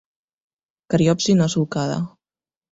Cariopsi no solcada.